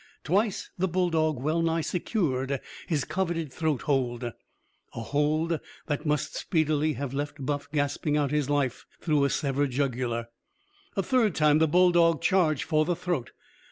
Twice the bulldog well nigh secured his coveted throat hold a hold that must speedily have left Buff gasping out his life through a severed jugular. A third time the bulldog charged for the throat.